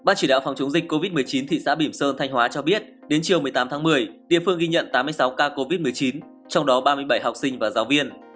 ban chỉ đạo phòng chống dịch covid một mươi chín thị xã bỉm sơn thanh hóa cho biết đến chiều một mươi tám tháng một mươi địa phương ghi nhận tám mươi sáu ca covid một mươi chín trong đó ba mươi bảy học sinh và giáo viên